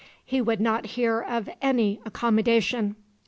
He would not hear of any accommodation.